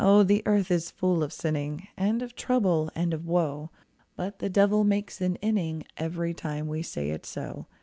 the earth is full of sinning And of trouble and of woe, But the devil makes an inning Every time we say it's so.